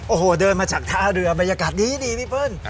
โอ้โหเดินมาจากท่าเรือบรรยากาศดีพี่เปิ้ล